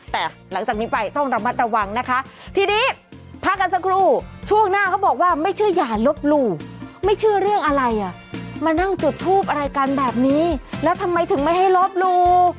แต่หลังจากนี้ไปต้องระมัดระวังนะคะทีนี้พักกันสักครู่ช่วงหน้าเขาบอกว่าไม่เชื่ออย่าลบหลู่ไม่เชื่อเรื่องอะไรอ่ะมานั่งจุดทูปอะไรกันแบบนี้แล้วทำไมถึงไม่ให้ลบหลู่